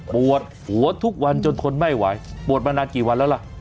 ปวดหัวทุกวันจนทนไม่ไหวปวดมานานกี่วันแล้วล่ะ